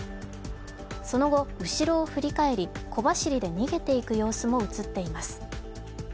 その後、後ろを振り返り小走りで逃げていく様子も映っています。